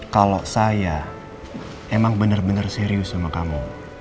kalau saya emang benar benar serius sama kamu